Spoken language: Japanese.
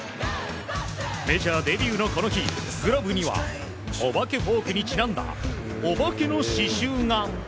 メジャーデビューのこの日グラブにはお化けフォークにちなんだお化けの刺しゅうが。